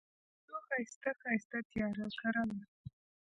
د رنجو ښایسته، ښایسته تیاره کرله